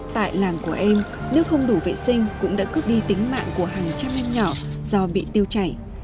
tại làng của em nước không đủ vệ sinh cũng đã cướp đi tính mạng của hàng trăm em nhỏ do bị tiêu chảy